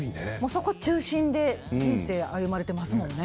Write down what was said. そこ中心で人生を歩まれていますものね。